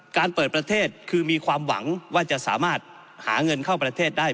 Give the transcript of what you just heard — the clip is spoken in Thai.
เปิดประเทศคือมีความหวังว่าจะสามารถหาเงินเข้าประเทศได้